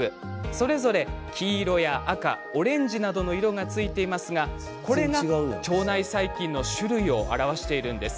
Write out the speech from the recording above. それぞれ、黄色や赤オレンジなどの色がついていますがこれが腸内細菌の種類を表しています。